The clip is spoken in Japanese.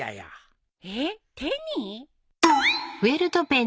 ええっ手に？